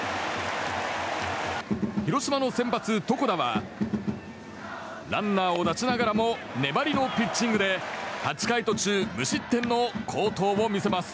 広島の先発、床田はランナーを出しながらも粘りのピッチングで８回途中無失点の好投を見せます。